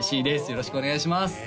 よろしくお願いします